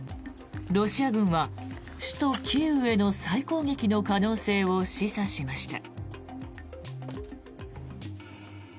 ロシア軍は首都キーウへの再攻撃の可能性を示唆しました。